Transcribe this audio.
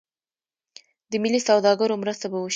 د ملي سوداګرو مرسته به وشي.